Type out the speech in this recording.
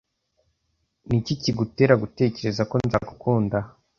Niki kigutera gutekereza ko nzagukunda?